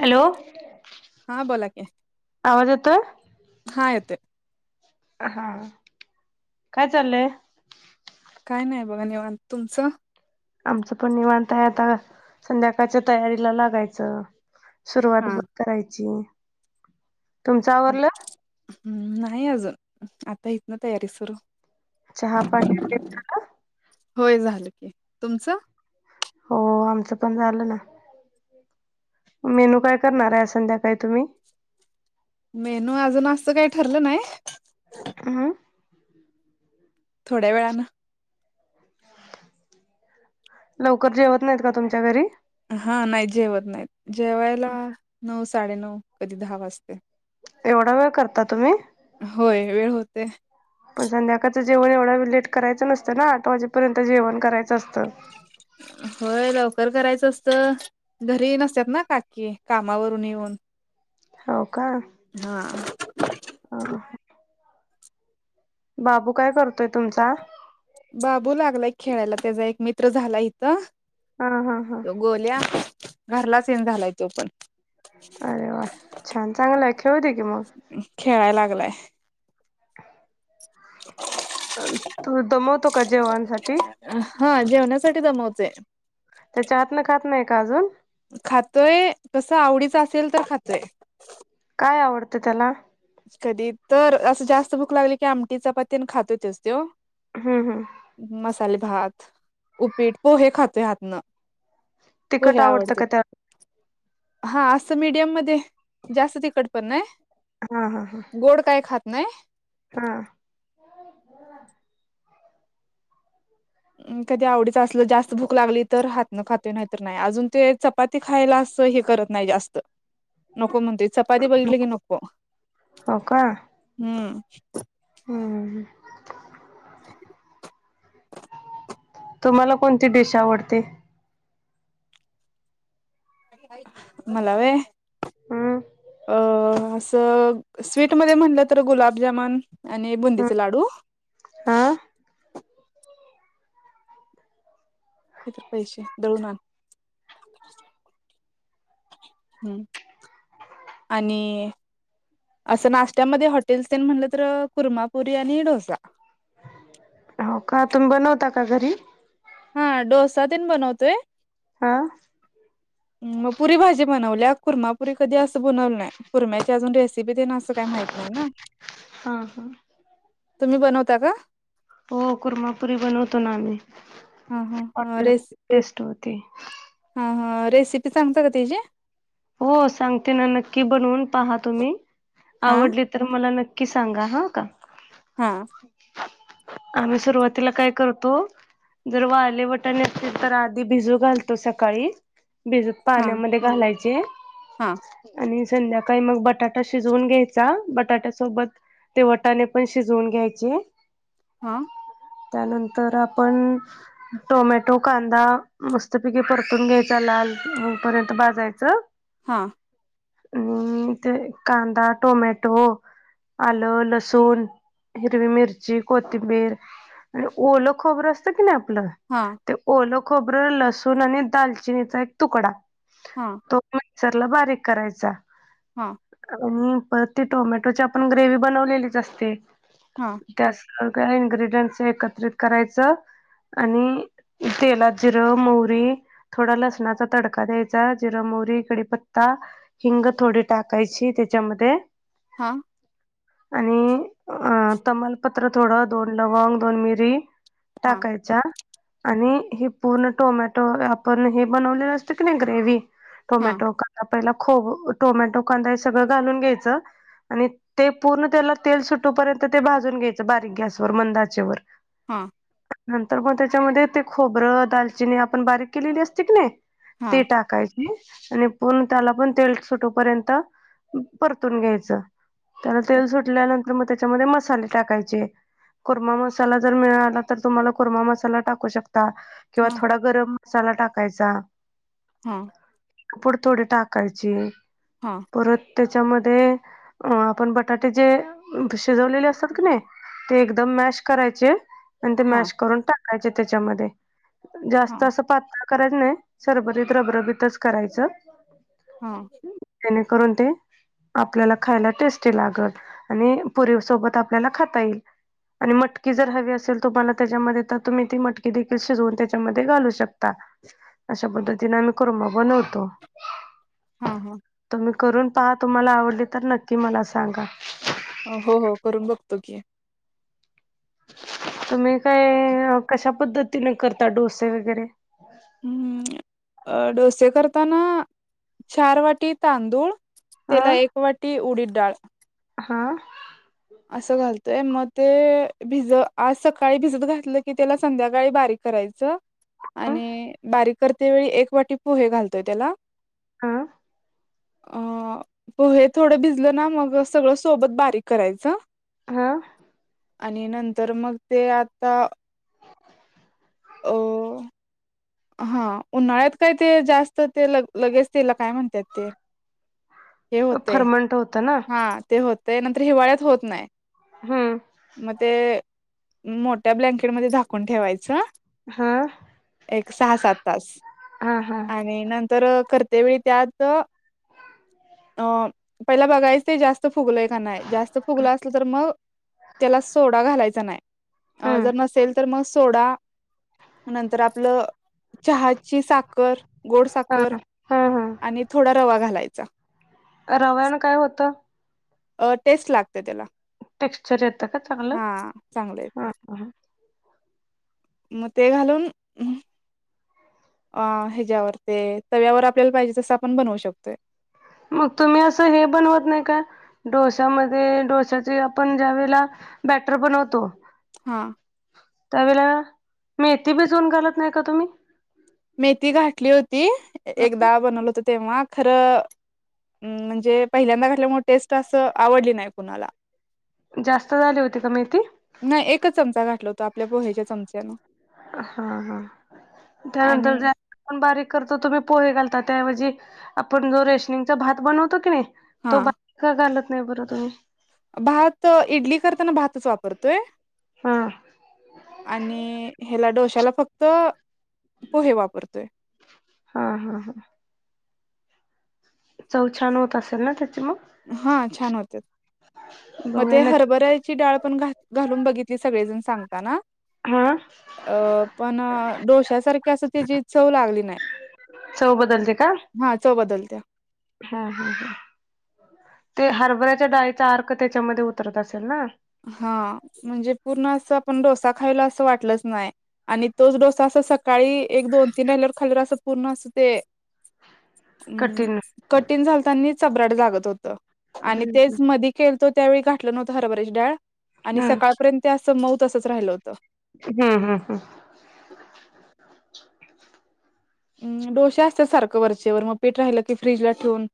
Hello हा बोला क आवाज येतोय हा येत ते हा काय चाललंय काय नाही बघा नि तुमचं आमचं पण निवानत आहे आता संध्याकाळच्या तयारीला लागायचं हा सुरवात करायची हा. तुमचवरलं हम्म नाही अजून आता हितन तयारी सुरू चहा पाणि ते झालं होय झालं की तुमचं हो आमचं पण झालं ना मेनू काय करणार आहे संध्याकाळी तुम्ही मेनू अजून असं काही ठरलं नाही हां थोड्या वेळाानं लवकर जेवत नाहीत का तुमच्या घरी हा नाही जेवत नाहीत जेवायला नऊ साडेनऊ कधी दहा वाजते एवढा वेळ करता तुम्ही होय वेळ होते पण संध्याकाळचं जेवण एवढा लेट करायं नसतं ना आठ वाजेपर्यंत जेवण करायचं असतं होय लवकर करायचं असत घरी नसतात ना काकी कामावरून येऊन हो का हा ह बाबू काय करतोय तुमचा बाबू लागलाय खेळाला त्याचा एक मित्र झाला इथं हा हा हा तो गोल्या घरलाचेन झालाय तो पण अरे वा छान चांगलंय खेळते की मग खेळाय लागलाय ह तू दमवतो का जेवणसाठी हा जेवण्यासाठी जमवतेय त्याच्या हातनं खात नाही का अजून खातोय कसं आवडीच असेल तर खातोय काय आवडतं त्याला कधी तर असं जास्त भूक लागली की आमटीचा पात्यान खातो तेच त हम् हम् मसाले भात उपीट पोहे खातो हातनं हो तिखट हे आवडतं का आवडत हा असं मीडियम मध्ये जास्त तखट पण नाही हा हा हा गोड काय खात नाहीय हा कधी आवडीच असल जास्त भूक लागली तर हातनं खातो नाहीतर नाही अजून ते पाती खायला असं हे करत नाही जास्त नको म्हणतेो चपाती बघितली की नको हो हम्म हम [inaudible] तुम्हाला कोणती डिश आवडते मला व हम्म अ स्वीटमध्ये म्हटलं तर गुलाबजामन आणि हम्म बुंदीचे लाडू हा हे तर पैसे दळून आण हम् आणि असं नाश्त्यामध्ये हॉटेलस म्हटलं तर कुर्मापुरी आणि डोसा हो का तुम्ही बनवता का घरी हा डोसा तन बनवतोय हा मग पुरी भाजी बनवली कुर्मापुरी कधी असं बनवलं नाही कुरम्याची अजून रेसिपी देण असं काही माहित नाही ना हा हा तुम्ही बनवता का हो कुरमापुरी बनवतो ना आम्ही हा हा हॉटेल रेस टेस्ट होती हा हा रेसिपी सांगता का तचीी हो सांगते ना नक्की बनवून पहा तुम्ही हा आवडली तर मला नक्की सांगा ह का हा आम्ही सुरुवातीला काय करतो जर वाले वटाणी असतील तर आधी भिजू घालतो सकाळी भिजत पाण्यामध्ये घालायचे हां आणि संध्याकाळी मग बटाटा शिजवून घ्यायचा बटाट्या सोबत ते वटाणे पण शिजवून घ्यायचे हा त्यानंतर आपण टोमॅटो कांदा मस्त पिके परतून घ्यायचा लालपर्यंत बाजायचा च हां आणि ते कांदा टोमॅटो आलं लसूण हिरवी मिरची कोथिंबीर आणि ओलं खबर असतं की नाही आपलं हा ते ओल खोबरं लसूण आणि दालचिनीचा एक तुकडा हा. तो मिक्सरला बारीक करायचा हा आणि परती टोमॅटोची आपण ग्रेव बनवलेलीच असते हा त्या स्या इन्ग्रेडियंट्स एकत्रित करायचं आणि तेलात जिरं मोहरी थोडा लसणाचा तडका द्यायचा जिरा मोरी इकडे पत्ता हिंग थोडी टाकायची त्याच्यामध्ये हा आणि अ तमालपत्र थोडं दोन लवंग दोन मिरी हा टाकायचा आणि हे पूर्ण टोमॅटो आपण हे बनवलेलं असत की नाही ग्रेव टोमॅटो कांदा पहिला खोप टोमॅटो कांदा हे सगळं घालून घ्यायचं आणि ते पूर्ण त्याला तेल सुटूपर्यंत ते भाजून घ्यायचं बारीक गॅसवर मंदाचे व हां नंतर मग त्याच्यामध्ये ते खोबरं दालचिनी आपण बारीक केलेली असती की नाही हा ते टाक. आणि पूर्ण त्याला पण तेल सुटोपर्यंत परतून घ्यायचं त्याला तेल अच्छा सुटल्यानंतर मग त्याच्यामध्ये मसाले टाकायचे कोरमा मसाला जर मिळाला तर तुम्हाला कोरमा मसाला टाकू शकता किंवा हा थोडा गरम मसाला टाकायचा हा क पुढ थोडे टाकायचे हां परत त्याच्यामध्ये अ आपण बटाटे जे शिजवलेले असतात की नाही ते एकदम मॅश करायचे आणि ते हा मॅश करून टाकायचे त्याच्यामध्ये हा जास्त असं पातळ करायच नाही सरबरीित रबरबतच करायचं हा णे करून ते आपल्याला खायला टेस्टी लागल आणि पुरी सोबत आपल्याला खाता येईल आणि मटकी जर हवी असेल तुम्हाला त्याच्यामध्ये तर तुम्ही ती मटकी देखील शिजवून त्याच्यामध्ये घालू शकता. अशा पद्धतीने आम्ही करुबा बनवतो. हा हा. तुम्ही करून पहा तुम्हाला आवडली तर नक्की मला सांगा. हो हो करून बघतो की तुम्ही काय कशा पद्धतीने करता डोसे वगैरे हम्म अ डोसे करताना चार वाटी तांदूळ त्याला अं एक वाटी उडीत डाळ हा. असं घालतोय मग ते भिजत आज सकाळी भिजत घातलं की त्याला संध्याकाळी बारीक करायचं ह आणि बारीक करते वेळी एक वाटी पोहे घालतोय त्याला ह अ पो हे थोडं भिजलं ना मग सगळं सोबत बारीक करायचं हा आणि नंतर मग ते आता [unintelligible] हा उन्हाळ्यात काय ते जास्त ते ल लगेच तला काय म्हणतात ते हे होते फर्मंट होत ना हा ते होते नंतर हिवाळ्यात होत नाही. हम्म. मग ते मोठ्या ब्लँकेटमध्येध्ये झाधाकून ठेवायचं. हा. एक सहा सात तास हा हा आणि नंतर करते वेळी त्यात अ पहिला बघायच जास्त त फुगलय का नाही जास्त फुगलं असलं तर मग त्याला सोडा घालायच नाही. अ हम्म जर नसेल तर मग सोडा नंतर आपलं चहा ची साखर गोड हा साखर हा हा आणि थोडा रवा घालायचा. रवयण काय होतं. अ टेस्ट लागते त्याला टेक्स्चर येतं का चांगलं हा चांगलं येते ह. मग ते घालून अ ह्याच्यावर ते तव्यावर आपल्याला पाहिजे तसं आपण बनवू शकतोय. मग तुम्ही असं हे बनवत नाही का? डोसामध्ये डोश्याचे आपण ज्या वेळेला बॅटर बनवतो. हा. त्यावेेळे मी येथे बिचवून घालत नाही का तुम्ही मेथी घाठली होती एकदा बनवलं होत तेव्हा खरं म्हणजे पहिल्यांदा घातल्यामु टेस्ट असं आवडली नाही कुणाला? जास्त झाली होती का मेती नाही एकच चमचा घाठला होता आपल्या पोहे्याच्या चमचान हा हा आणि त्यानंतर आपण बारीक करतो तुम्ही पोहे घाता त्याऐवजी आपण जो रेशमिचा भात बनवतो की नाही. हा तो बा का घालत नाही बरं तुम्ही? भात इडली करताना भातच वापरतोय. हा आणि ह्याला डोश्याला फक्त त पोहे वापरतोय. हा हा हा. चौ छान होत असेल ना त्याची मग हा छान होत. मग बघूया ते नक्की हरभऱ्याची डाळ पण घालून बघितली सगळेजण सांगताना हा. अ पण डोश्यासारखी असं त्याची चव लागली नाही. चव बदलते का? हा च बदलत्या. हा हा हा ते हरभऱ्याच्या डाळीचा अर्क त्याच्यामध्ये उतरत असेल ना हा म्हणजे पूर्ण असं आपण डोसा खायला असं वाटलंच नाही आणि तोच डोस असा सका सकाळी एक दोन तीन राहिल्यावर खाल्लेलं असं पूर्ण असं ते अम् कठीण कठीण झालतानी चबराट जागत होत आणि हम्म तेच मध केलतो त्यावेळी घाठलं नव्हतं हरभरेच डाळ आणि हम्म सकाळपर्यंत ते असं मऊत असंच राहिलं होतं हम्म हम् हम्. म डोसे्या असतात सारखं वरचे वर मग पीठ राहिलं की फ्रीजला ठेवून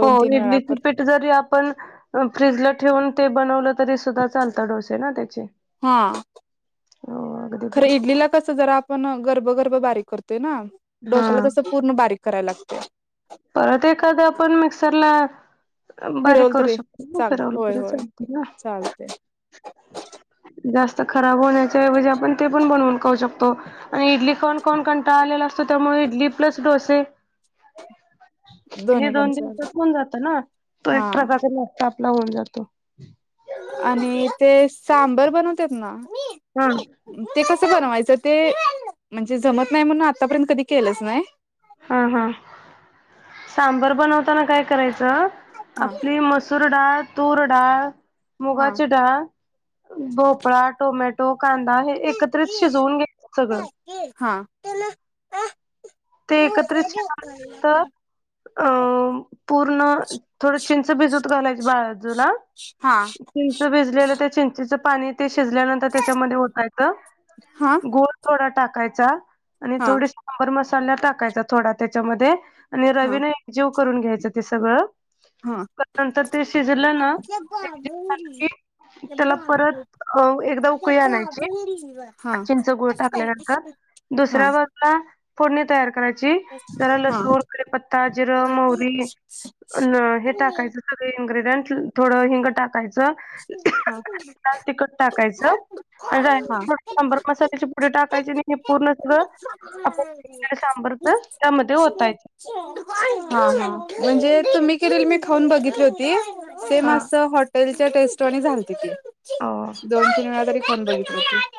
हो तीन वेळा इडलीची कर पीठ जरी पण फ्रीजला ठेवून ते बनवलं तरी सुद्धा चालतं डोसे ना त्याचे हा हो अगदी खरं बरोबर इडलीला कस जरा आप पण गर्भगर्भ बारीक करतोय ना हा डोश्याला तसं पूर्ण बारीक करायला लागते परत एखादं आपण मिक्सरला बारीक फिरवल करू तरी शकतो ना चाल फिरवलं होय वैरे होय चालत ना चालते जास्त खराब होण्याच्या ऐवजयी म्हजे आपण ते पण बनवून करू शकतो आणि इडली खाऊन खाऊन कंटाळलेला असतो त्यामुळे इडली प्लस डोसे हे दोन्ही पण दोन चाल दिवसात होऊन जात ना तो हा एक ट्रकाचा नास्ता आपला होऊन जातो आणि ते सांबर बनवतात ना हां ते कसं बनवायचं ते म्हणजे जमत नाही म्हणून आतापर्यंत कधी केलंच नाही हा हा सांबर बनवताना काय करायचं हा आपली मसूर डाळ तूर डाळ हा मुगाची डाळ भोपळा टोमॅटो कांदा हे एकत्रित शिजवून घेत सगळं हा ते त्यालाला एकत्रित शिजवल्यानंतर घ अ पूर्ण थोडं चिंच भिजत घालायची बाळजूला हा चिंच भेजलेलं त्या चिंचेच पाणी ते शिजल्यानंतर त्याच्यामध्ये होता येतं हा गोड. थोडा टाकायचा आणि हा थोडी सांबर मसाल्या टाकायचा थोडा त्याच्यामध्ये आणि हा रवी ना एक जीव करून घ्यायचं ते सगळं. हा नंतर ते शिजलं ना त्याला परत अ एकदा उकळी आणायची हा चिंच गुळ टाकल्यानंतर. हा दुसऱ्या बाजला फोडणी तयार करायची. ज हा लसून कडीपता जिरं मोहरी हे टाकायचं ग इन्र्रीडयंट थोड हिंगटा टाकायच हा लाल तिखट टाकायचं आणि हा शंभर मसाल्याची पुढ टाकायची नाही हे पूर्ण सगळं आपण सांबर तर त्यामध्ये होतायच म्हणजे तुम्ही केले मी खाऊन बघितली होती सेम असं हॉटेलच्या टेस्टवा आणि झालती ती हा दोन तीन वेळा तरी फोन बघितली होती